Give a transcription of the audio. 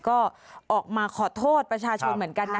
ก็ออกมาขอโทษประชาชนเหมือนกันนะ